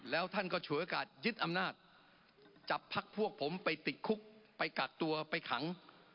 แล้วท่านก็ฉวยโอกาสยึดอำนาจจับพักพวกผมไปติดคุกไปกักตัวไปขัง